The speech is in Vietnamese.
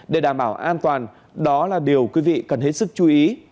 để đảm bảo an toàn đó là điều quý vị cần hết sức chú ý